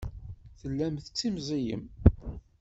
Tellam tettimẓiyem.